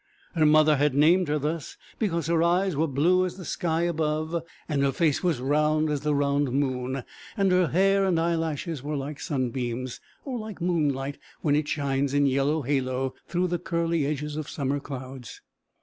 Her mother had named her thus because her eyes were blue as the sky above, and her face was round as the round moon, and her hair and eyelashes were like sunbeams, or like moonlight when it shines in yellow halo through the curly edges of summer clouds.